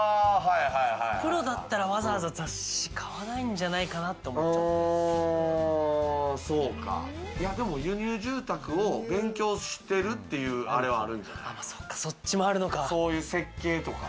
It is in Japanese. プロだったらわざわざ雑誌買わないんじゃないかなと思っちゃったでも輸入住宅を勉強してるっていうアレはあるんじゃない？